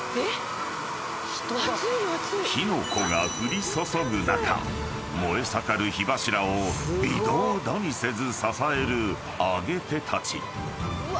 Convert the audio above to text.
［火の粉が降り注ぐ中燃え盛る火柱を微動だにせず支える揚げ手たち］